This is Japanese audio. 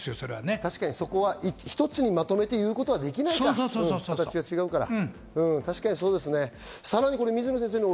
確かにそこは一つにまとめて言うことはできないか、確かにそうですね。